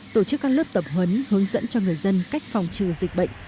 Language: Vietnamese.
tổ chức các lớp tập huấn hướng dẫn cho người dân cách phòng trừ dịch bệnh